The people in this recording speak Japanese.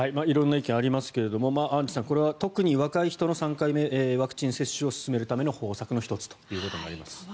色んな意見ありますがアンジュさん、これは特に若い人の３回目ワクチン接種を進めるための方策の１つということになります。